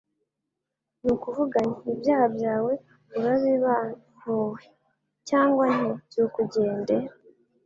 ni ukuvuga nti : ibyaha byawe urabibabantue? Cyangwa nti byuka ugende ?